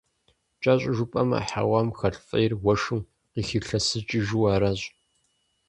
КӀэщӀу жыпӀэмэ, хьэуам хэлъ фӀейр уэшхым къыхилъэсыкӀыжу аращ.